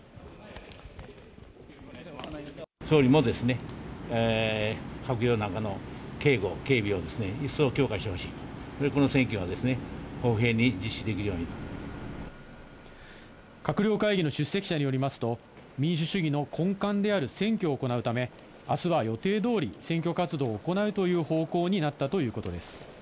総理もですね、閣僚の中の警護、警備を一層強化してほしい、この選挙は公平に実施できるよう閣僚会議の出席者によりますと、民主主義の根幹である選挙を行うため、あすは予定どおり、選挙活動を行うという方向になったということです。